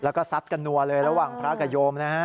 แล้วก็ซัดกันนัวเลยระหว่างพระกับโยมนะฮะ